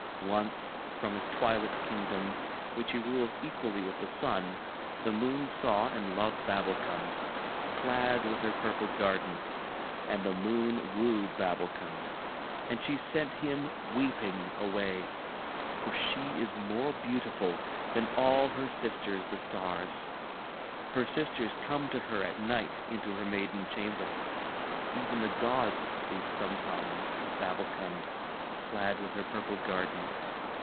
Once, from his twilit kingdom, which he rules equally with the sun, the moon saw and loved Babbulkund, clad with her purple garden; and the moon wooed Babbulkund, and she sent him weeping away, for she is more beautiful than all her sisters the stars. Her sisters come to her at night into her maiden chamber. Even the gods speak sometimes of Babbulkund, clad with her purple garden.